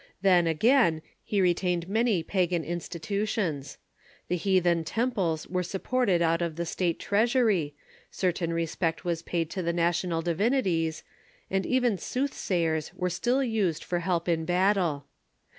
Then, again, he retained many pagan institutions. The heathen temples were supported out of the State treasury, certain respect was paid to the national divinities, and even soothsayers were still used for help in battle.